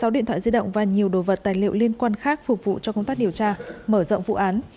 sáu điện thoại di động và nhiều đồ vật tài liệu liên quan khác phục vụ cho công tác điều tra mở rộng vụ án